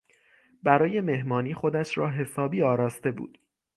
برای مهمانی خودش را حسابی آراسته بود.